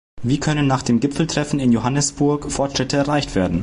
Wie können nach dem Gipfeltreffen in Johannesburg Fortschritte erreicht werden?